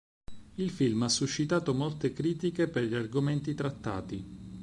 Il film ha suscitato molte critiche per gli argomenti trattati.